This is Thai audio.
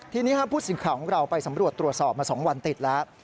ทีนี้ผู้สินข่าวของเราไปสำรวจตรวจสอบมา๒วันติดแล้ว